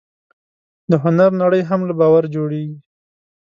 د هنر نړۍ هم له باور جوړېږي.